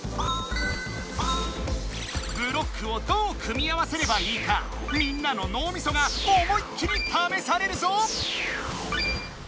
ブロックをどう組み合わせればいいかみんなののうみそが思いっきりためされるぞ！